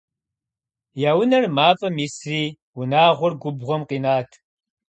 Я унэр мафӀэм исри, унагъуэр губгъуэм къинат.